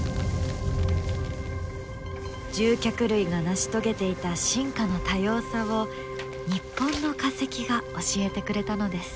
獣脚類が成し遂げていた進化の多様さを日本の化石が教えてくれたのです。